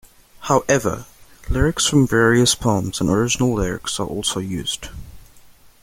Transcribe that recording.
However, lyrics from various poems and original lyrics are also used.